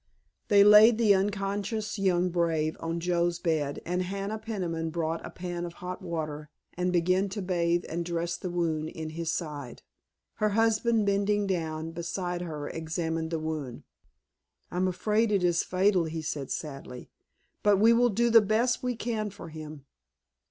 They laid the unconscious young brave on Joe's bed, and Hannah Peniman brought a pan of hot water and began to bathe and dress the wound in his side. Her husband bending down beside her examined the wound. "I'm afraid it is fatal," he said sadly, "but we will do the best we can for him."